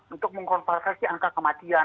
untuk mengkonversasi angka kematian